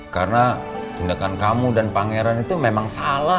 karena tindakan kamu dan pangeran itu memang salah